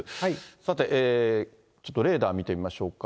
さて、ちょっとレーダー見てみましょうか。